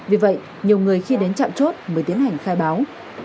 vì vậy nhiều người khi đến trạm chốt mới tiến hành khai báo